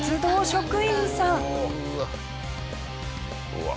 うわ。